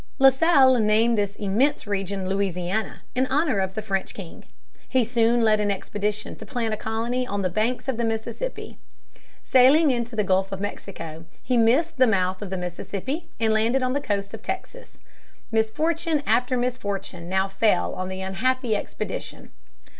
La Salle named this immense region Louisiana in honor of the French king. He soon led an expedition to plant a colony on the banks of the Mississippi. Sailing into the Gulf of Mexico, he missed the mouth of the Mississippi and landed on the coast of Texas. Misfortune after misfortune now fell on the unhappy expedition.